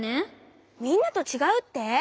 みんなとちがうって！？